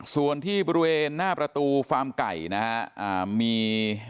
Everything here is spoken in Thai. ส่วนที่บริเวณหน้าประตูฟาร์มไก่นะฮะมี